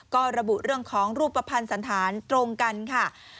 ก็ระบุเรื่องของรูปภัณฑ์สันธารตรงกันค่ะ